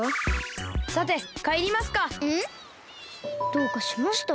どうかしました？